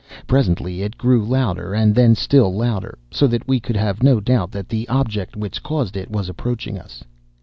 Presently it grew louder, and then still louder, so that we could have no doubt that the object which caused it was approaching us.